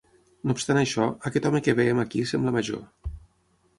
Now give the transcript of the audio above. No obstant això, aquest home que veiem aquí sembla major.